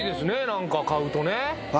なんか買うとね